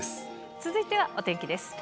続いてはお天気です。